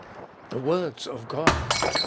The words of God !